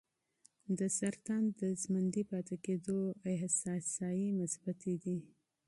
د سرطان د ژوندي پاتې کېدو احصایې مثبتې دي.